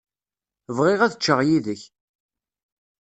Bɣiɣ ad ččeɣ yid-k.